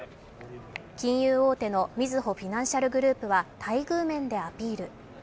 金融大手のみずほフィナンシャルグループは待遇面でアピール。